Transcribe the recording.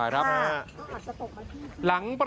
อะไรครับ